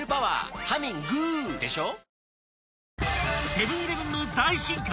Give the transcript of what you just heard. ［セブン−イレブンの大進化！